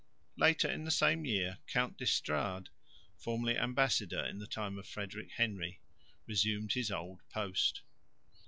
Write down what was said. Later in the same year Count D'Estrades, formerly ambassador in the time of Frederick Henry, resumed his old post.